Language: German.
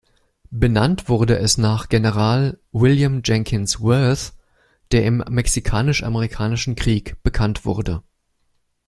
Benannt wurde es nach General William Jenkins Worth, der im Mexikanisch-Amerikanischen Krieg bekannt wurde.